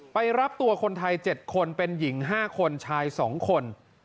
ไปรับตัวคนไทย๗คนเป็นหญิง๕คนชาย๒คน